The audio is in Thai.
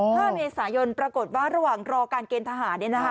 พระเมษายนปรากฏว่าระหว่างรอการเกณฑ์ทหาร